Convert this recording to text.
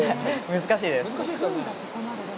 難しいです。